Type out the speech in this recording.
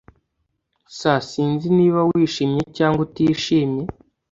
S Sinzi niba wishimye cyangwa utishimye